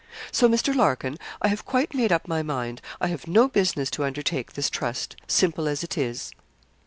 So, Mr. Larkin, I have quite made up my mind. I have no business to undertake this trust, simple as it is.'